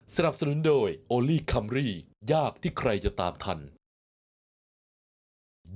สนับสนุนโดยโอลี่คัมรี่ยากที่ใครจะตามทัน